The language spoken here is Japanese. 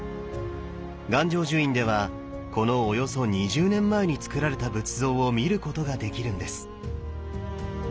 願成就院ではこのおよそ２０年前につくられた仏像を見ることができるんです。